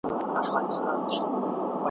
په بشپړه بې تفاوتي `